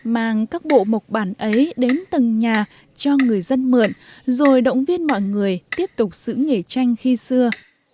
mang các bộ mộc bản ấy đến từng nhà cho người dân mượn rồi động viên mọi người tiếp tục giữ nghề tranh khi xưa